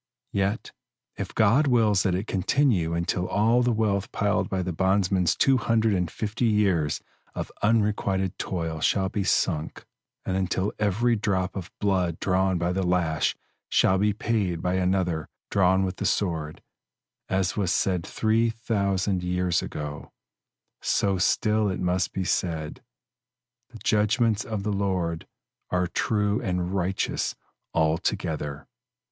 Yet, if God wills that it continue until all the wealth piled by the bondsman's two hundred and fifty years of unrequited toil shall be sunk, and until every drop of blood drawn by the lash shall be paid by another drawn with the sword, as was said three thousand years ago, so still it must be said, "The judgments of the Lord are true and righteous altogether."